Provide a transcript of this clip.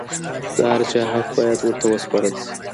د هر چا حق باید ورته وسپارل سي.